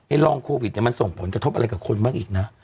รองโควิดมันส่งผลกระทบอะไรกับคนบ้างอีกนะ